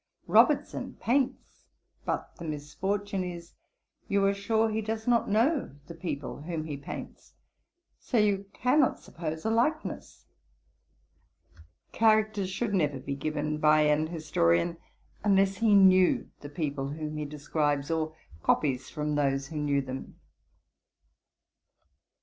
Robertson paints; but the misfortune is, you are sure he does not know the people whom he paints; so you cannot suppose a likeness. Characters should never be given by an historian, unless he knew the people whom he describes, or copies from those who knew them.'